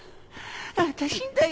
私んだよ。